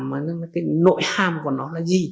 mà cái nội hàm của nó là gì